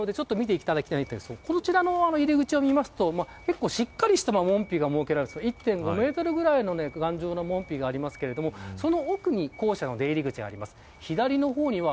見ていただきたいんですがこちらの入り口を見ますと結構しっかりした門扉が設けられていて１．５メートルぐらいの頑丈な門扉がありますがその奥に校舎の出入り口があります。